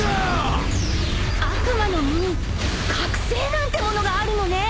［悪魔の実に覚醒なんてものがあるのね］